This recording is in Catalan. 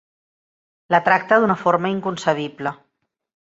La tracta d'una forma inconcebible.